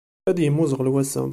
Ad yemmuẓɣel wass-a.